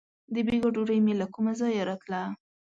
• د بېګا ډوډۍ مې له کومه ځایه راتله.